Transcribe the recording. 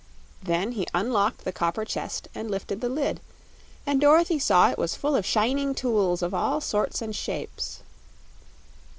Then he unlocked the copper chest and lifted the lid, and Dorothy saw it was full of shining tools of all sorts and shapes.